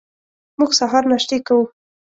موږ سهار ناشتې کوو.